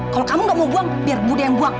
kalau kamu gak mau buang biar budd yang buang